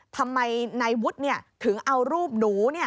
ทำไมนายวุฒิถึงเอารูปหนู